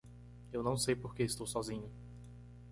Eu não sei porque estou sozinho